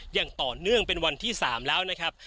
อย่างต่อเนื่องเป็นวันที่๓แล้วนะครับ